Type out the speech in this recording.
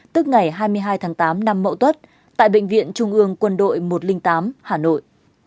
tức ngày hai mươi hai tháng tám năm mậu tuất tại bệnh viện trung ương quân đội một trăm linh tám hà nội